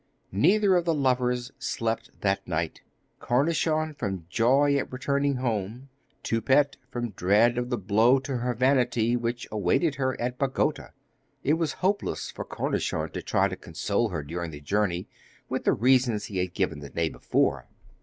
Neither of the lovers slept that night Cornichon from joy at returning home, Toupette from dread of the blow to her vanity which awaited her at Bagota. It was hopeless for Cornichon to try to console her during the journey with the reasons he had given the day before.